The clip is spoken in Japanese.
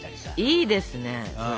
いいですねそれ。